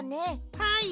はい。